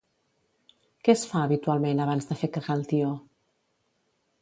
Què es fa habitualment abans de fer cagar el tió?